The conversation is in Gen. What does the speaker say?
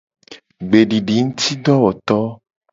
Gbedidingutidowoto.